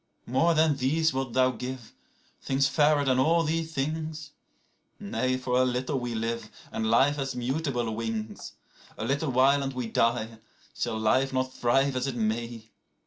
29More than these wilt thou give, things fairer than all these things?30Nay, for a little we live, and life hath mutable wings.31A little while and we die; shall life not thrive as it may?